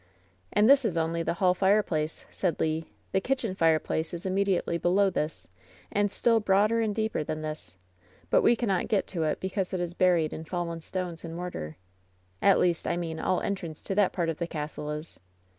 "And this is only the hall fireplace,^' said Le. "The kitchen fireplace is immediately below this, and still broader and deeper than this, but we cannot get to it because it is buried in fallen stones and mortar. At least, I mean, all entrance to that part of the castle is."